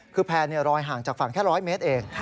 คือแพร่รอยห่างจากฝั่งแค่๑๐๐เมตรเอง